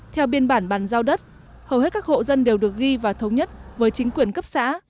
theo biên bản bàn giao đất hầu hết các hộ dân đều được ghi và thống nhất với chính quyền cấp xã